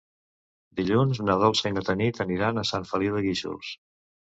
Dilluns na Dolça i na Tanit aniran a Sant Feliu de Guíxols.